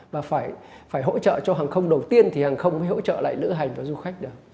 và phải hỗ trợ cho hàng không đầu tiên thì hàng không mới hỗ trợ lại lữ hành và du khách được